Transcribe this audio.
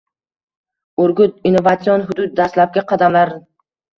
Urgut innovatsion hudud: dastlabki qadamlarng